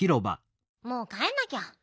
もうかえんなきゃ。